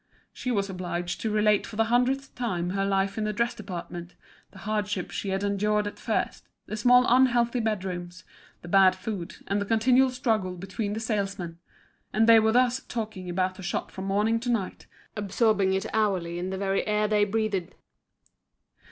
She was obliged to relate for the hundredth time her life in the dress department, the hardships she had endured at first, the small unhealthy bedrooms, the bad food, and the continual struggle between the salesmen; and they were thus talking about the shop from morning to night, absorbing it hourly in the very air they breathed.